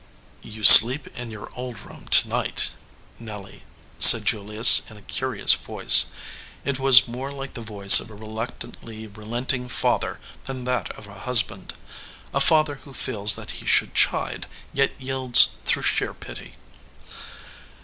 "You sleep in your old room to night, Nelly," 204 SOUR SWEETINGS said Julius in a curious voice. It was more like the voice of a reluctantly relenting father than that of a husband a father who feels that he should chide, yet yields through sheer pity.